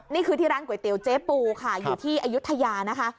นี่คือที่ร้านก๋วยเตี๋ยวเจ๊ปูค่ะอยู่ที่อายุทยานะคะ